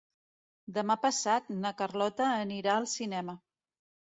Demà passat na Carlota anirà al cinema.